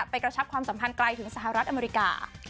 กระชับความสัมพันธ์ไกลถึงสหรัฐอเมริกา